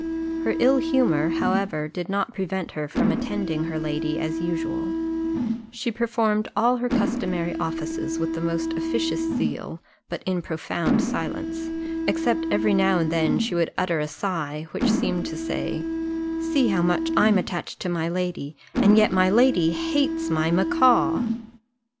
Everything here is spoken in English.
Her ill humour, however, did not prevent her from attending her lady as usual; she performed all her customary offices with the most officious zeal but in profound silence, except every now and then she would utter a sigh, which seemed to say, "See how much I'm attached to my lady, and yet my lady hates my macaw!"